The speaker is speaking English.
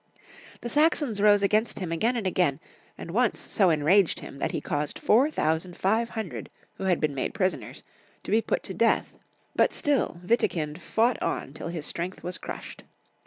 The Saxons rose against liim again and again, and once so en raged him that he caused four thousand five hun dred who had been made prisoners to be put to death; but still Witikind fought on till his strength was crushed.